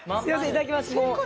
いただきます。